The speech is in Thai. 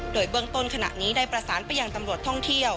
โดยเบื้องต้นขณะนี้ได้ประสานไปยังตำรวจท่องเที่ยว